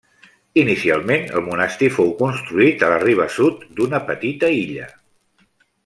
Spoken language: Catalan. Inicialment, el monestir fou construït a la riba sud d'una petita illa.